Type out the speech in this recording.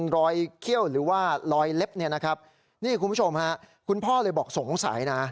รอยเขี้ยวหรือว่ารอยเล็บเนี่ยนะครับนี่คุณผู้ชมฮะคุณพ่อเลยบอกสงสัยนะ